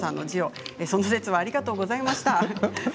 その節はありがとうございました。